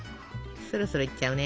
そろそろいっちゃうね。